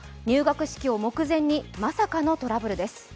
入学式を目前にまさかのトラブルです。